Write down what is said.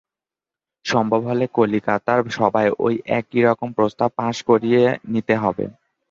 সম্ভব হলে কলিকাতার সভায় ঐ একই রকম প্রস্তাব পাস করিয়ে নিতে বলবে।